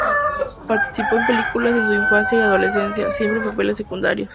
Participó en películas en su infancia y adolescencia, siempre en papeles secundarios.